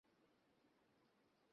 যারীদকে তার খুবই ভাল লাগে।